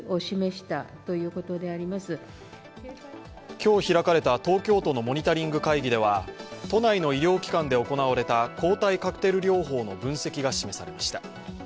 今日開かれた東京都のモニタリング会議では都内の医療機関で行われた抗体カクテル療法の分析が示されました。